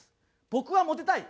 僕はモテたい。